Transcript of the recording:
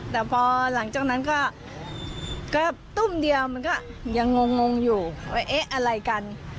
แต่พอหลังจากนั้นก็อาจตุ้มเหลี่ยมันก็เงียบมึงอยู่เอ๊ะอะไรกัน